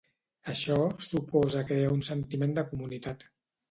Això suposa crear un sentiment de comunitat.